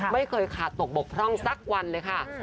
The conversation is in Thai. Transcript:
ไม่เคยขาดตกบกพร่องสักวันเลยค่ะ